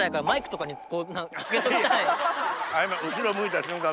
後ろ向いた瞬間